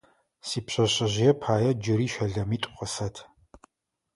Сипшъэшъэжъые пае джыри щэлэмитӏу къысэт.